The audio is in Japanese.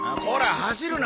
走るな。